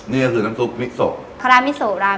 นี่ก็คือน้ำทรูปมิซโซ